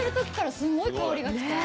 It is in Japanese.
すごい香りがきて。